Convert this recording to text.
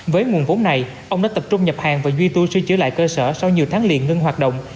với nguồn vốn này ông đã tập trung nhập hàng và duy tu sửa chữa lại cơ sở sau nhiều tháng liền ngưng hoạt động